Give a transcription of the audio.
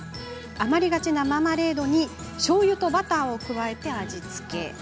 余りがちなマーマレードにしょうゆとバターを加えて味付け。